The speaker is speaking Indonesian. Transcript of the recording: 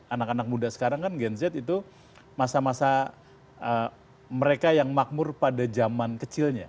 anak anak muda sekarang kan gen z itu masa masa mereka yang makmur pada zaman kecilnya